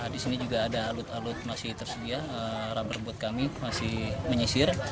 di sini juga ada alut alut masih tersedia rubber boat kami masih menyisir